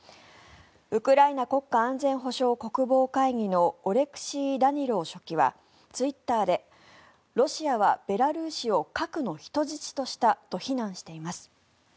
ウクライナ国家安全保障国防会議のオレクシー・ダニロウ書記はツイッターでロシアはベラルーシを核の人質としたと非難しています。